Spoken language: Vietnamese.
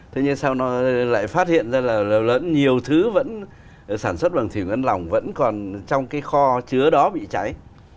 thế nhưng sao nó lại phát hiện ra là lẫn nhiều thứ vẫn sản xuất bằng thủy ngân lỏng vẫn còn trong cái kho chứa đó bị cháy